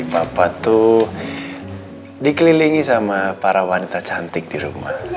bapak tuh dikelilingi sama para wanita cantik di rumah